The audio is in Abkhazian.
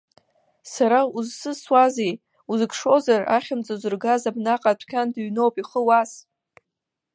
Сара узсысуазеи, узықшозар, ахьымӡӷ узыргаз, абнаҟа адәқьан дыҩноуп, ихы уас!